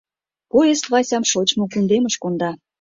Поезд Васям шочмо кундемыш конда.